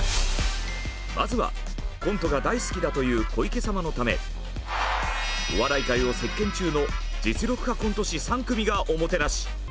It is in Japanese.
まずはコントが大好きだという小池様のためお笑い界を席けん中の実力派コント師３組がおもてなし！